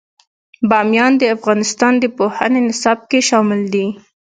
بامیان د افغانستان د پوهنې نصاب کې شامل دي.